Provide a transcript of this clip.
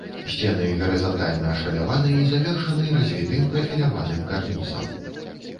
Сцены гарызантальна ашаляваны і завершаны развітым прафіляваным карнізам.